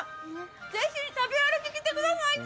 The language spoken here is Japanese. ぜひ食べ歩き、来てください！